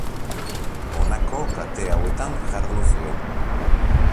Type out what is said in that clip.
Honako kate hauetan jardun zuen.